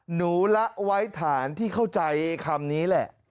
ละไว้ฐานที่เข้าใจคำนี้แหละ